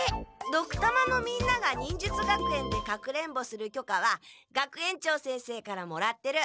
ドクたまのみんなが忍術学園でかくれんぼするきょかは学園長先生からもらってる。